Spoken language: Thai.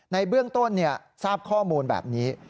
ในเบื้องต้นทราบข้อมูลแบบนี้